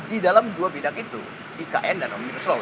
di dalam dua bidang itu ikn dan om braslo